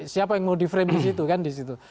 siapa yang mau di frame di situ kan di situ